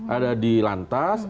ada di lantas